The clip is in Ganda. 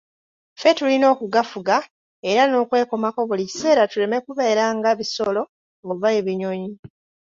Ffe tulina okugafuga era n'okwekomako buli kiseera tuleme kubeera nga bisolo oba ebinyonyi.